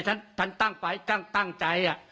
ฉันตั้งใจ